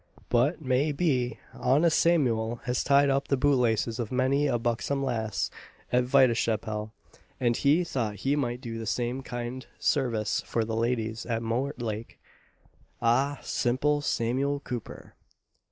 But, may be, honest Samuel has tied up the boot laces of many a buxom lass at Vitechapple, and he thought he might do the same kind service for the ladies at Mortlake. Ah! simple Samuel Cooper!